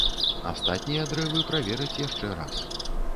Астатнія дрэвы правераць яшчэ раз.